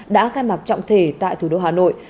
đã khai mạc trọng thể tại thủ đô hà nội